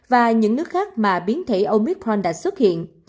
và những nước khác mà biến thể omicron đã xuất hiện